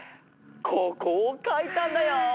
ここをかいたんだよ！